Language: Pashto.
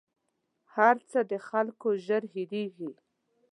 هر څه د خلکو ژر هېرېـږي